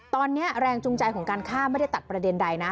ตอนนี้แรงจูงใจของการฆ่าไม่ได้ตัดประเด็นใดนะ